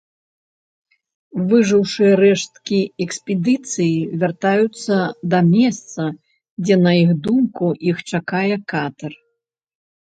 Выжыўшыя рэшткі экспедыцыі вяртаюцца да месца, дзе, на іх думку, іх чакае катэр.